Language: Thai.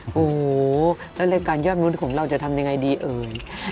โอ้โหแล้วรายการยอดมนุษย์ของเราจะทำยังไงดีเอ่ย